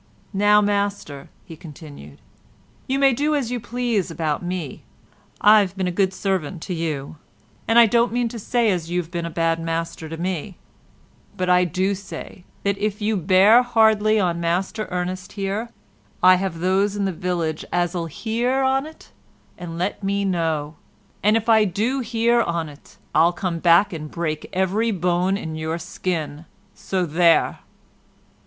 "Now, master," he continued, "you may do as you please about me. I've been a good servant to you, and I don't mean to say as you've been a bad master to me, but I do say that if you bear hardly on Master Ernest here I have those in the village as 'll hear on't and let me know; and if I do hear on't I'll come back and break every bone in your skin, so there!"